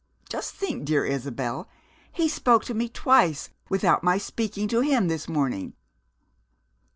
Just think, dear Isabel, he spoke to me twice without my speaking to him this morning!"